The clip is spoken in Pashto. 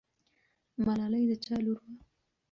ملالۍ د چا لور وه؟